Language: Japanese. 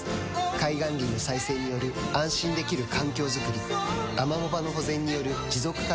海岸林の再生による安心できる環境づくりアマモ場の保全による持続可能な海づくり